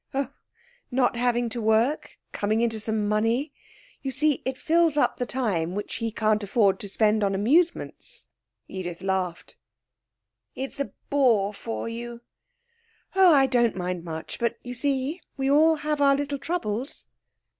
'Oh, not having to work, coming into some money. You see, it fills up the time which he can't afford to spend on amusements.' Edith laughed. 'It's a bore for you....' 'Oh, I don't mind much; but you see we all have our little troubles.'